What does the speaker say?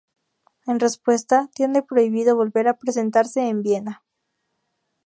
En respuesta, tiene prohibido volver a presentarse en Viena.